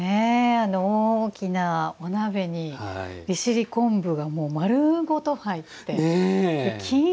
あの大きなお鍋に利尻昆布が丸ごと入って。